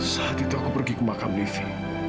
saat itu aku pergi ke makam livi